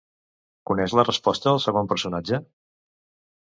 Coneix la resposta, el segon personatge?